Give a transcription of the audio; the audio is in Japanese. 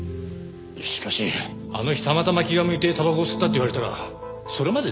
しかしあの日たまたま気が向いてたばこを吸ったって言われたらそれまでですよ。